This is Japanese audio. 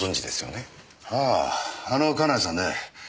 あああの金谷さんね。